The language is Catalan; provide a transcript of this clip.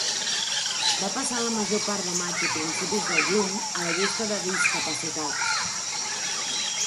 Va passar la major part de maig i principis de juny a la llista de discapacitats.